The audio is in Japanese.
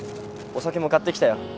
お酒も買ってきたよ。